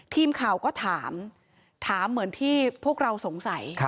ทีมข่าวก็ถามถามเหมือนที่พวกเราสงสัย